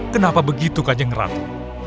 kenapa begitu kanjeng ratu